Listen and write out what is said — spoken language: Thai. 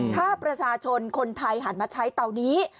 ถ้าประชาชนคนไทยหันมาใช้เตานี้